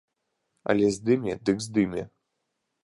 Але здыме, дык здыме!